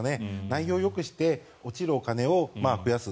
内容をよくして落ちるお金を増やす。